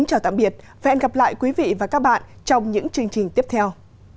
hẹn gặp lại quý vị và các bạn trong những chương trình tiếp theo